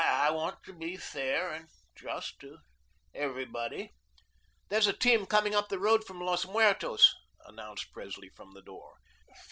I want to be fair and just to everybody." "There's a team coming up the road from Los Muertos," announced Presley from the door.